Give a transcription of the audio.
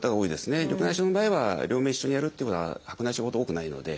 緑内障の場合は両目一緒にやるっていうことは白内障ほど多くないので。